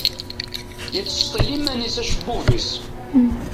Yettseṭṭil iman-is acebbub-is.